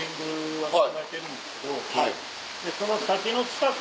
はい。